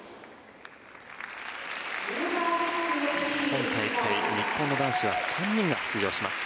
今大会、日本の男子は３人が出場します。